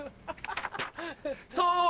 そう！